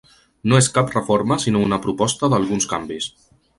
No és cap reforma sinó una proposta d’alguns canvis.